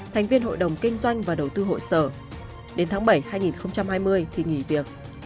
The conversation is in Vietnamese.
thành viên hội đồng kinh doanh và đầu tư hội sở đến tháng bảy hai nghìn hai mươi thì nghỉ việc